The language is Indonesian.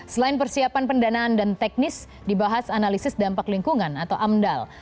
selain persiapan pendanaan dan teknis dibahas analisis dampak lingkungan atau amdal